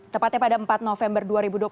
tepatnya pada empat november dua ribu dua puluh